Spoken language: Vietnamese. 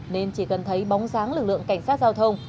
nên chỉ cần thấy bóng dáng lực lượng cảnh sát giao thông